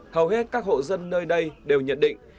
hầu hết các hộ dân nơi đây đều nhận định